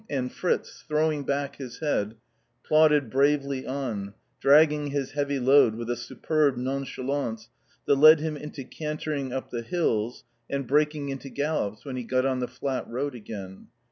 and Fritz, throwing back his head, plodded bravely on, dragging his heavy load with a superb nonchalance that led him into cantering up the hills, and breaking into gallops when he got on the flat road again.